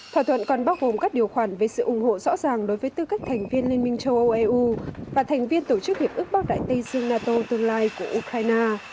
thỏa thuận còn bao gồm các điều khoản về sự ủng hộ rõ ràng đối với tư cách thành viên liên minh châu âu eu và thành viên tổ chức hiệp ước bắc đại tây dương nato tương lai của ukraine